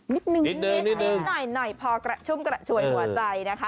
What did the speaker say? นิดนึงนิดหน่อยพอกระชุ่มกระชวยหัวใจนะคะ